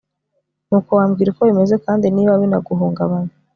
nuko wambwira uko bimeze kandi niba binaguhungabanya